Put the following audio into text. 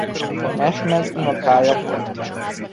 Mehmed unokája volt.